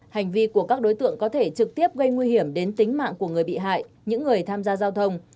hành vi của các đối tượng có thể trực tiếp gây nguy hiểm đến tính mạng của người bị hại những người tham gia giao thông